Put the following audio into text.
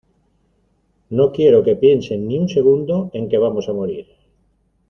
no quiero que piensen ni un segundo en que vamos a morir.